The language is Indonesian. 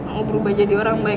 ngubruh jadi orang banyak